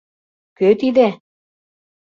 «Кӧ тиде?